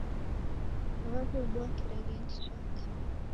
Waweobua kirerendi chake